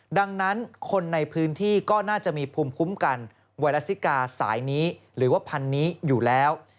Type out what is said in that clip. ดังนั้นคนในพื้นที่ก็น่าจะมีภูมิคุ้มกันไวรัสซิกาสายนี้หรือว่าพันธุ์นี้อยู่แล้ว